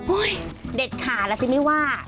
โอ๊ยเด็ดขาดล่ะสิไม่ว่า